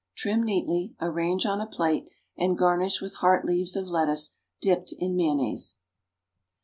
Trim neatly, arrange on a plate, and garnish with heart leaves of lettuce dipped in mayonnaise.